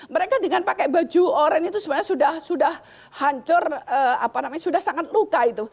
mereka dengan pakai baju orange itu sebenarnya sudah hancur apa namanya sudah sangat luka itu